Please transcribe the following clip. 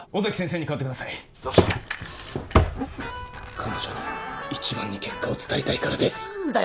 彼女に一番に結果を伝えたいからですいいんだよ